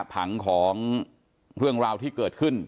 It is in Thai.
ผังของเรื่องราวที่เกิดขึ้น